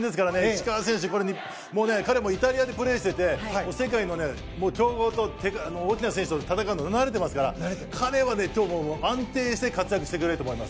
彼もイタリアでプレーして世界の強豪と大きな選手と戦うのに慣れていますから彼は安定して活躍してくれると思います。